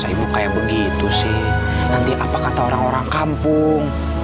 ibu kayak begitu sih nanti apa kata orang orang kampung